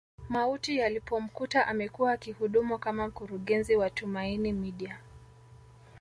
Mauti yalipomkuta amekuwa akihudumu kama mkurungezi wa Tumaini Media